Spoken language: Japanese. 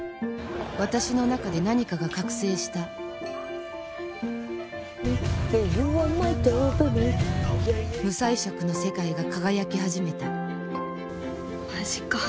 私の中で何かが覚醒した無彩色の世界が輝き始めたマジか。